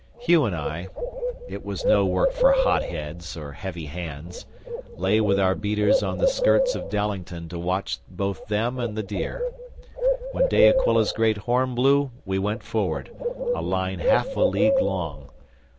Hugh and I it was no work for hot heads or heavy hands lay with our beaters on the skirts of Dallington to watch both them and the deer. When De Aquila's great horn blew we went forward, a line half a league long.